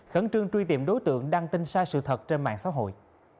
khẩn trương truy tìm đối tượng đăng tin sai sự thật trên mạng xã hội